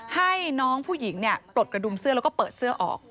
ให้น้องผู้หญิงปลดกระดุมเสื้อแล้วก็เปิดเสื้อออก